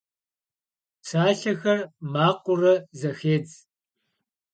Psalhexer makhıure zexetş.